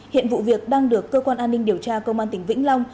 hiện vụ việc đang được cơ quan an ninh điều tra công an tỉnh vĩnh long